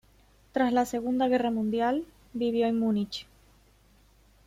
Tras la Segunda Guerra Mundial, vivió en Múnich.